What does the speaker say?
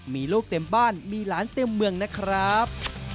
มีลูกเต็มบ้านมีหลานเต็มเมืองนะครับ